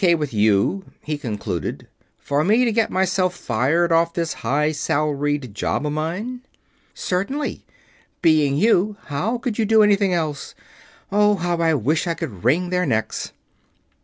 K. with you," he concluded, "for me to get myself fired off of this high salaried job of mine?" "Certainly. Being you, how can you do anything else? Oh, how I wish I could wring their necks!"